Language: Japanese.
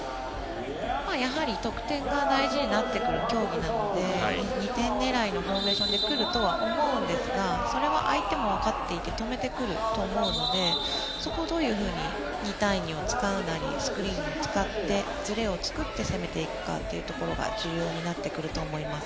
やはり得点が大事になってくる競技なので２点狙いのフォーメーションで来るとは思うんですがそれは相手もわかっていて止めてくると思うのでそこをどういうふうに２対２を使うなりスクリーンを使ってずれを作って攻めていくかというところが重要になってくると思います。